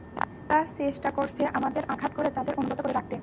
তাই তারা চেষ্টা করছে আমাদের আঘাত করে তাদের অনুগত করে রাখতে।